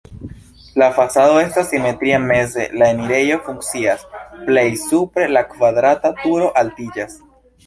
La fasado estas simetria, meze la enirejo funkcias, plej supre la kvadrata turo altiĝas.